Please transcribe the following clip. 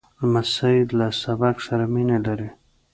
لمسی له سبق سره مینه لري.